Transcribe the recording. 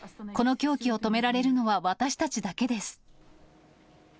この狂気を止められるのは私たちだけです。